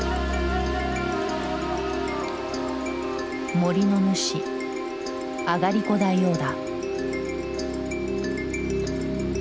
森の主あがりこ大王だ。